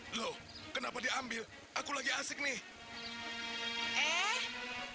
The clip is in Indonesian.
loh kenapa dia ambil aku lagi asik nih